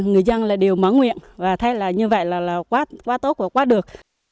người dân đều mong nguyện và thấy như vậy là quá tốt và quá được